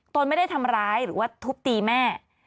ตนไม่ได้ทำร้ายหรือว่าทุบตีแม่